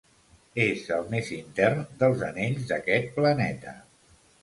És el més intern dels anells d'aquest planeta.